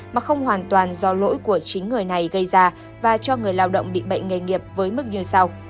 mà không hoàn toàn do lỗi của chính người này gây ra và cho người lao động bị bệnh nghề nghiệp với mức như sau